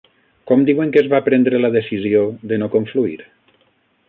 Com diuen que es va prendre la decisió de no confluir?